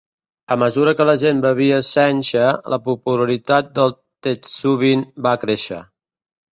A mesura que la gent bevia sencha, la popularitat del tetsubin va créixer.